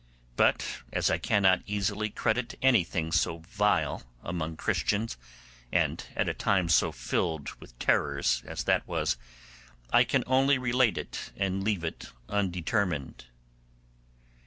But as I cannot easily credit anything so vile among Christians, and at a time so filled with terrors as that was, I can only relate it and leave it undetermined.